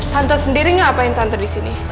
tante sendiri ngapain tante disini